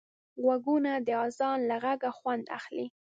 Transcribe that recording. غوږونه د اذان له غږه خوند اخلي